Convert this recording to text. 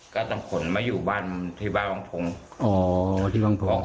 ก็ต้องขนมาอยู่บ้านที่บ้านวังทงอ๋อที่วังทอง